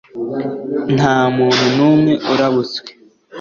nta muntu n’umwe urabutswe